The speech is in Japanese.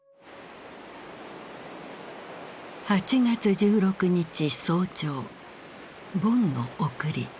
８月１６日早朝盆の送り。